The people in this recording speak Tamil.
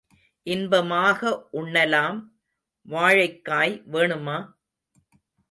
இன்பமாக உண்ணலாம் வாழைக்காய் வேணுமா?